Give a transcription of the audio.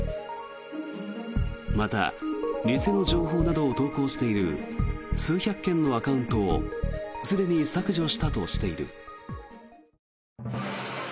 また、偽の情報などを投稿している数百件のアカウントをすでに削除したとしている。